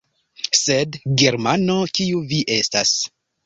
Sed, Germano, kiu vi estas!